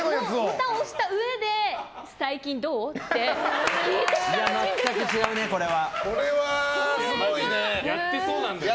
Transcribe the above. ボタンを押したうえで最近どう？って聞いてきたんですよ。